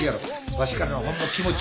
わしからのほんの気持ちや。